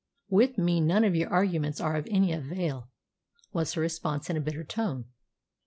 "With me none of your arguments are of any avail," was her response in a bitter tone.